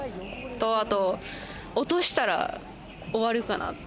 落としたら終わるかなって。